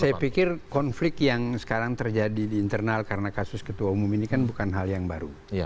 saya pikir konflik yang sekarang terjadi di internal karena kasus ketua umum ini kan bukan hal yang baru